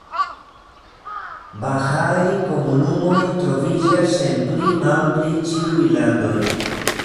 Bahaaj komunumoj troviĝas en pli-malpli ĉiuj landoj.